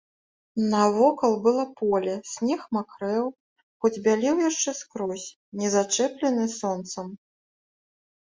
Навокал было поле, снег макрэў, хоць бялеў яшчэ скрозь, не зачэплены сонцам.